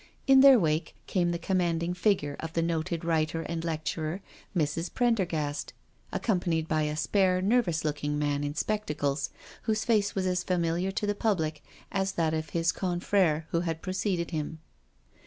In their wake came the conmianding figure of the noted writer and lecturer, Mrs. Prendergast, accompanied by a spare, nervous looking man in spectacles, whose face was as familiar to the public as that of his confrire who had preceded him.